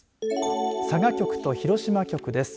佐賀局と広島局です。